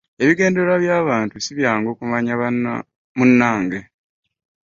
Ebigendererwa by'abantu si byangu kumanya munnange.